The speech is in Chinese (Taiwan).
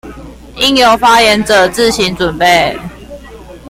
應由發言者自行準備